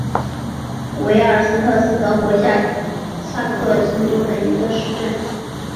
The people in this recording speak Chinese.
维尔斯特是德国下萨克森州的一个市镇。